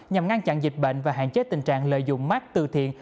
nhằm ngăn chặn dịch bệnh và hạn chế tình trạng lợi dụng mát tự thiện